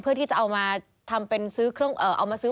เพื่อที่จะเอามาซื้ออุปกรณ์